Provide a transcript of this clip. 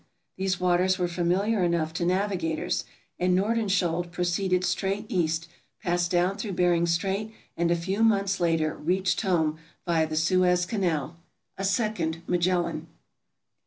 These waters were MISCELLANEOUS 457 familiar enough to navigators; and Nordenskjold proceeded straight east, passed down through Bering Strait, and a few months later reached home via the Suez Canal — a second Magellan.